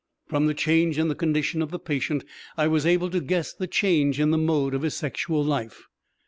From the change in the condition of the patient I was able to guess the change in the mode of his sexual life.